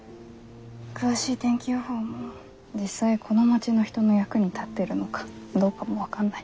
詳しい天気予報も実際この町の人の役に立ってるのかどうかも分かんない。